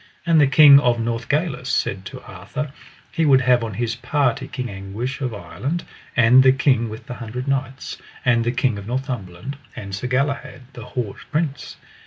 And the King of Northgalis said to Arthur, he would have on his party King Anguish of Ireland, and the King with the Hundred Knights, and the King of Northumberland, and Sir Galahad, the haut prince.